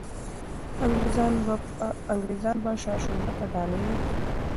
انګریزان به شاه شجاع ته ډالۍ ورکوي.